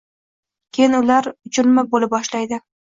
Keyin ular uchirma boʻla boshlaydi.